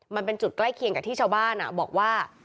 มันเป็นจุดใกล้เคียงกับที่ชาวบ้านบอกว่า